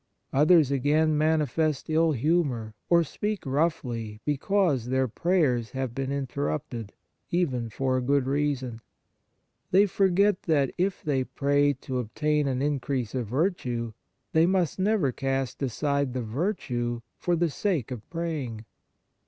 Others, again, manifest ill humour or speak roughly because their prayers have been interrupted, even for a good reason. They forget that if they pray to obtain an increase of virtue, they must never cast aside the virtue for the sake of praying.